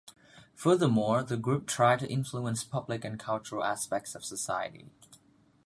Furthermore, the group tried to influence public and cultural aspects of society.